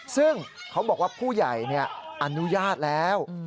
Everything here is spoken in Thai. ซึ่งเขาบอกว่าผู้ใหญ่อนุญาตแล้ว